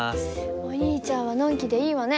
お兄ちゃんはのんきでいいわね。